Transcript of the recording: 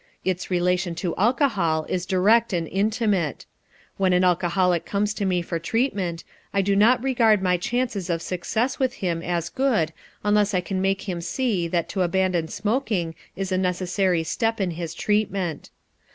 Its relation to alcohol is direct and intimate. When an alcoholic comes to me for treatment, I do not regard my chances of success with him as good unless I can make him see that to abandon smoking is a necessary step in his treatment.